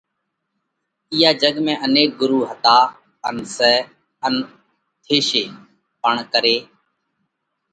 اِيئا جڳت ۾ انيڪ ڳرُو ھتا ان سئہ ان ٿيشي پڻ کري۔